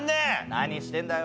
何してんだよ。